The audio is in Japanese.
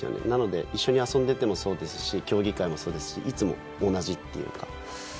なので一緒に遊んでいてもそうだし競技会もそうだしいつも同じというか。